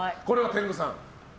天狗さん。